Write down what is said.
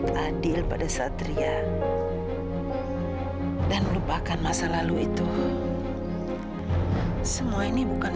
mas berharap aku harus bagaimana